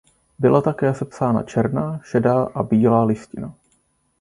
Byla také sepsána černá, šedá a bílá listina.